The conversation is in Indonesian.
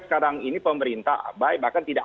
sekarang ini pemerintah abai bahkan tidak